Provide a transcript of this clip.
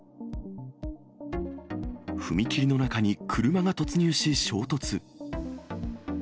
踏切の中に車が突入し、衝突。